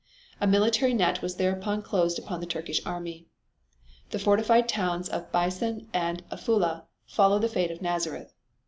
A military net was thereupon closed upon the Turkish army. The fortified towns of Beisan and Afule followed the fate of Nazareth.